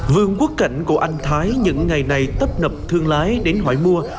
vườn quốc cảnh của anh thái những ngày này tấp nập thương lái đến hỏi mua